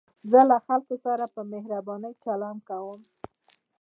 زه له خلکو سره په مهربانۍ چلند کوم.